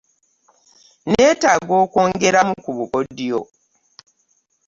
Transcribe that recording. nneetaaga okwongeramu ku bukodyo.